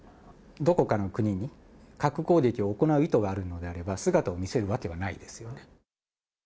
どこかの国に核攻撃を行う意図があるのであれば、姿を見せるわけはないですよね。